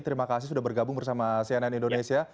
terima kasih sudah bergabung bersama cnn indonesia